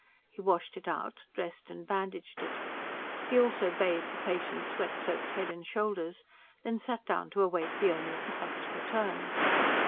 He washed it out, dressed and bandaged it. He also bathed the patient's sweat soaked head and shoulders; then sat down to await the owner of the hut's return.